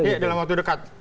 iya dalam waktu dekat